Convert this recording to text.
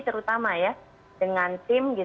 terutama ya dengan tim